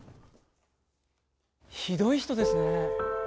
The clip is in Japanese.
ひどい人ですね。